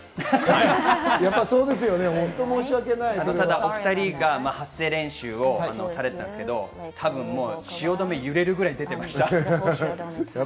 お二人が発声練習をされていたんですけど、汐留が揺れるぐらい出てました。